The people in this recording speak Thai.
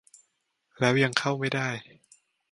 แล้วยังเข้าไม่ได้